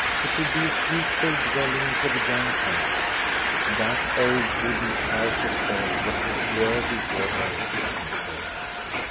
It should be a suitable dwelling for the young countess. That old wooden house at Borg was not worthy for her to enter.